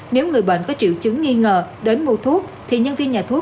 nếu người bệnh có triệu chứng nghi ngờ đến mua thuốc thì nhân viên nhà thuốc